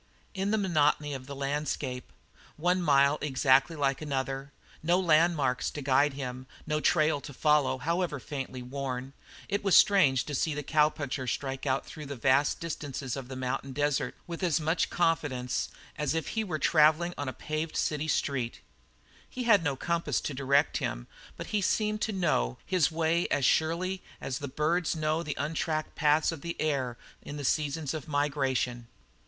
In that monotony of landscape, one mile exactly like the other, no landmarks to guide him, no trail to follow, however faintly worn, it was strange to see the cowpuncher strike out through the vast distances of the mountain desert with as much confidence as if he were travelling on a paved street in a city. He had not even a compass to direct him but he seemed to know his way as surely as the birds know the untracked paths of the air in the seasons of migration.